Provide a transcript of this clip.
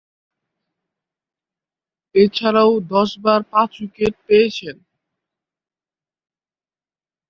এছাড়াও দশবার পাঁচ উইকেট পেয়েছেন।